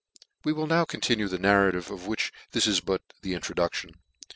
We will now continue the narrative, of which this is but the introduction.